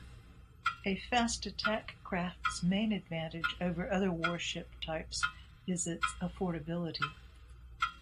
A fast attack craft's main advantage over other warship types is its affordability.